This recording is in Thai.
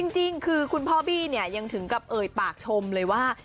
จริงคือคุณพ่อบี้เนี่ยยังถึงกับเอ่ยปากชมเลยว่า